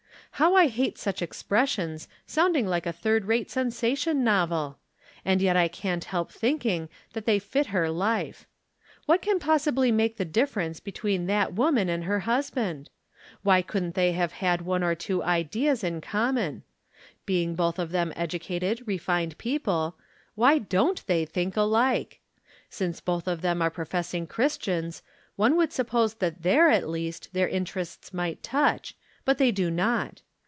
How I hate such expressions, sounding like a third rate sensation novel ! And yet I can't help thinking that they fit her life. What can possibly make the difference be tween that woman and her husband ? Why couldn't they have had one or two ideas in com mon ? Being both of them educated, refined people, why don't they think alike ? Since both of them are professing Cliristians, one would suppose that there, at least, their interests might touch, but they do not.